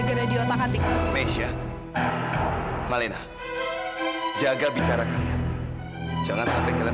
dari mana ibu punya duit itu amira